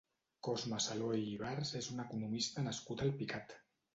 Cosme Saló i Ibars és un economista nascut a Alpicat.